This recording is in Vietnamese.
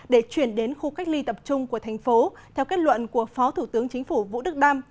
để chuyển đến khu cách ly tập trung của thành phố theo kết luận của phó thủ tướng chính phủ vũ đức đam